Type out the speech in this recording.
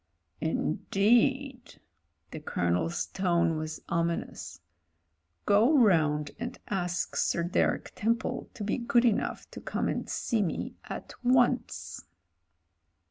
"Indeed." The Colonel's tone was ominous. "Go JAMES HENRY 227 round and ask Sir Derek Temple to be good enough to come and see me at once."